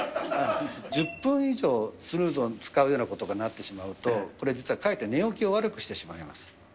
１０分以上スヌーズを使うようなことになってしまうと、これ実は、かえって寝起きを悪くしてしまいます。